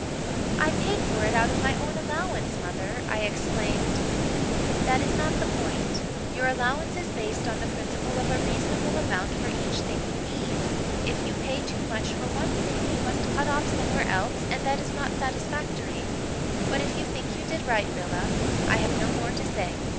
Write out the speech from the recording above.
"'I paid for it out of my own allowance, mother,' I exclaimed. "'That is not the point. Your allowance is based on the principle of a reasonable amount for each thing you need. If you pay too much for one thing you must cut off somewhere else and that is not satisfactory. But if you think you did right, Rilla, I have no more to say.